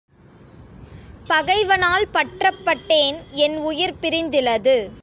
பகைவனால் பற்றப்பட்டேன் என் உயிர் பிரிந்திலது.